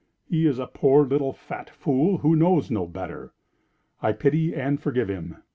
He is a poor little fat fool who knows no better. I pity and forgive him.